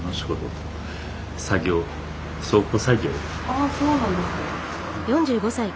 あっそうなんですね。